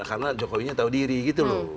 karena jokowi nya tahu diri gitu loh